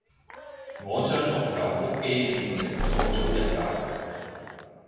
我將六舊腹肌鍊成咗做一舊